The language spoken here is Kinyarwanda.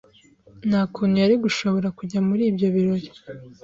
Nta kuntu yari gushobora kujya muri ibyo birori.